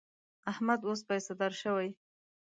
احمد اوس پیسهدار شوی.